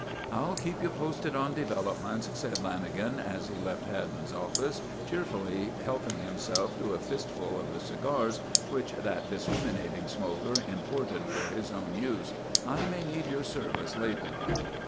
"I'll keep you posted on developments," said Lanagan, as he left Haddon's office, cheerfully helping himself to a fist full of the cigars which that discriminating smoker imported for his own use. "I may need your service later.